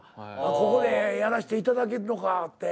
ここでやらせていただけるのかって。